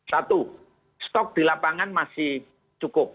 satu stok di lapangan masih cukup